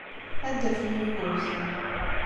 Ad d-afen Yugurten.